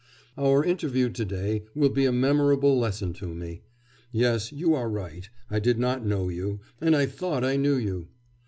'Our interview to day will be a memorable lesson to me. Yes, you are right; I did not know you, and I thought I knew you!